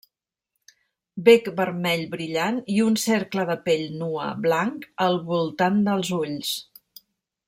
Bec vermell brillant i un cercle de pell nua blanc al voltant dels ulls.